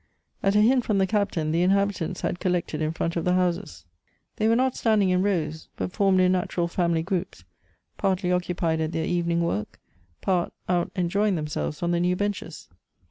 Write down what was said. At a hint from the Captain, the inhabitants had collected in front of the houses. They were not standing in rows, but formed in natural family groups, partly occu pied at their evening work, part out enjoying themselves on the new benches.